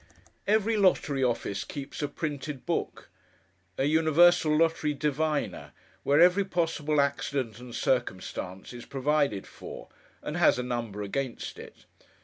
Every lottery office keeps a printed book, an Universal Lottery Diviner, where every possible accident and circumstance is provided for, and has a number against it.